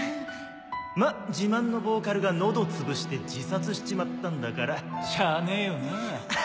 まっ自慢のボーカルが喉潰して自殺しちまったんだからしゃあねえよなぁ。